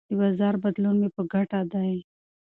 د بازار بدلون مې په ګټه دی.